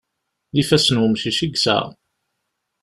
D ifassen n wemcic i yesɛa.